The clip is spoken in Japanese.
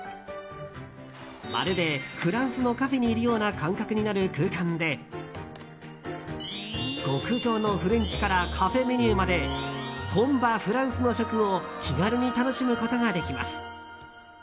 まるでフランスのカフェにいるような感覚になる空間で極上のフレンチからカフェメニューまで本場フランスの食を気軽に楽しむことができます。